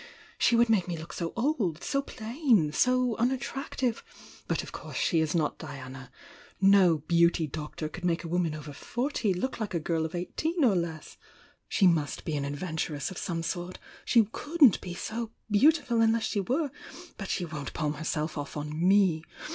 She would make me look so old! So plain — so unattractive! But of course she is not Diana! — no 'beauty doctor^ could make a woman over forty look like a girl of eighteen or less! She must be an adventuress of some sort! She couldn't be so beautiful unless she were. But she won't palm herself off on me!